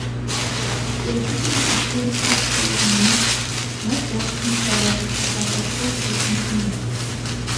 They quickly became household names not just in South Africa but across the continent.